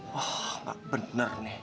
wah enggak bener nih